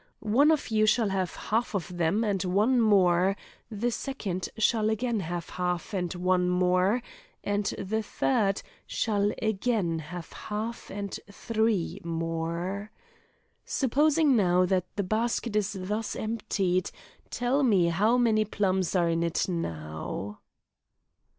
One of you shall have half of them and one more, the second shall again have half and one more, and the third shall again have half and three more. Supposing now that the basket is thus emptied, tell me how many plums are in it now."